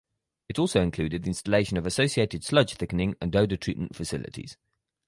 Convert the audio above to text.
It also included the installation of associated sludge thickening and odour treatment facilities.